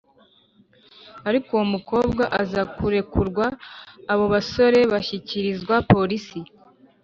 Ariko uwo mukobwa aza kurekurwa, abo basore bashyikirizwa polisi.